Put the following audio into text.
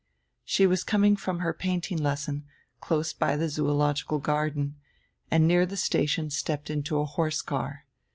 She was coming from her painting lesson, close by the Zoological Garden, and near the station stepped into a horse car.